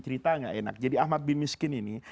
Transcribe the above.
cerita nggak enak jadi ahmad bin miskin ini